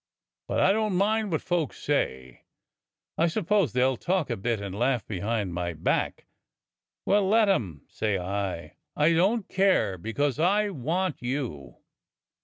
But I don't mind what folk say. I suppose they'll talk a bit and laugh behind my back. Well, let 'em, say I. I don't care, because I want you."